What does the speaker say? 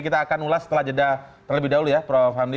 kita akan ulas setelah jeda terlebih dahulu ya prof hamdi